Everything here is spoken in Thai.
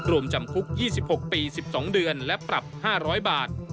รวมจำคุก๒๖ปี๑๒เดือนและปรับ๕๐๐บาท